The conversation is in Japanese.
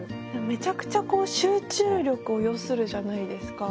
めちゃくちゃ集中力を要するじゃないですか。